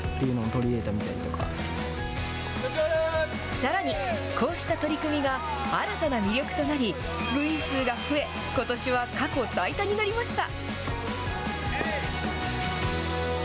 さらに、こうした取り組みが新たな魅力となり部員数が増えことしは過去最多になりました。